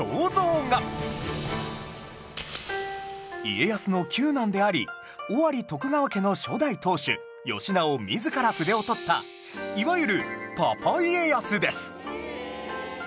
家康の九男であり尾張徳川家の初代当主義直自ら筆を執ったいわゆるパパ家康です